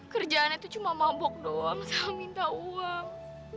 kerjaannya itu cuma mabok doang sama minta uang